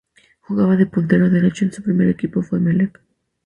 Jugaba de puntero derecho y su primer equipo fue Emelec.